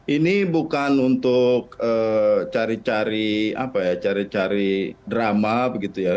ini bukan untuk cari cari drama begitu ya